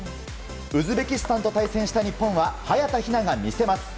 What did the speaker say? ウズベキスタンと対戦した日本は早田ひなが魅せます。